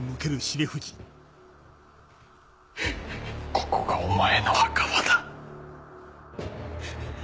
ここがお前の墓場だ。